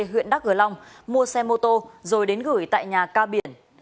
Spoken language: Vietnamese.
huyện đắk gờ long mua xe mô tô rồi đến gửi tại nhà ca biển